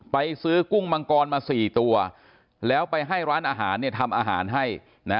ไปซื้อกุ้งมังกรมา๔ตัวแล้วไปให้ร้านอาหารทำอาหารให้นะ